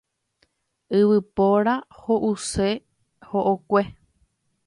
Yvypóra ho'use ho'okue.